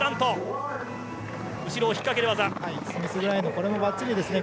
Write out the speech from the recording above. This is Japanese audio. これもばっちりですね